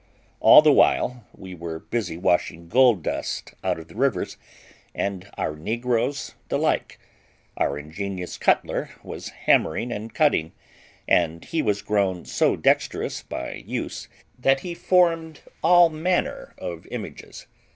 All the while we were busy washing gold dust out of the rivers, and our negroes the like, our ingenious cutler was hammering and cutting, and he was grown so dexterous by use that he formed all manner of images.